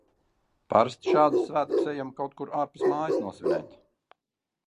Parasti šādus svētkus ejam kaut kur ārpus mājas nosvinēt.